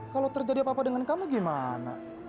kalau terjadi apa apa dengan kamu gimana